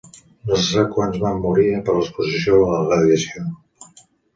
No se sap quants van morir per l'exposició a la radiació.